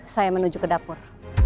saya menuju ke dapur